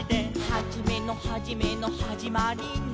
「はじめのはじめのはじまりの」